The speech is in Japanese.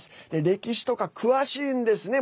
歴史とか詳しいんですね。